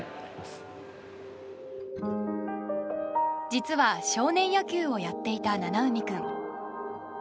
実は少年野球をやっていた七海君。